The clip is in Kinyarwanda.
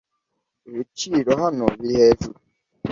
Ibiciro hano biri hejuru.